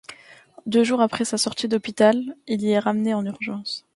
Deux jours après sa sortie d'hôpital, il y est ramené en urgence.